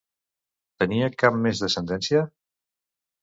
Tenia cap més descendència?